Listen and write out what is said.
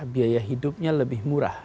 biaya hidupnya lebih murah